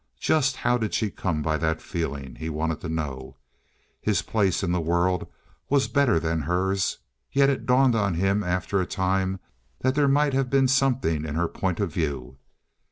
Just how did she come by that feeling, he wanted to know? His place in the world was better than hers, yet it dawned on him after a time that there might have been something in her point of view.